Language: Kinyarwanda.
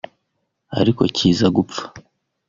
ariko kiza gupfa